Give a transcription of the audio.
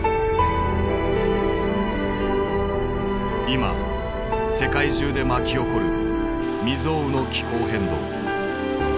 今世界中で巻き起こる未曽有の気候変動。